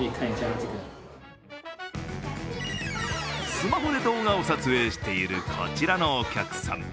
スマホで動画を撮影しているこちらのお客さん。